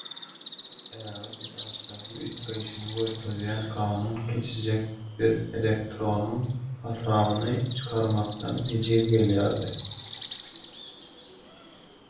Ägirt daşlaryň üýtgeýşini görkezýän kanun kiçijek bir elektronyň hasabyny çykarmakdan ejiz gelýärdi.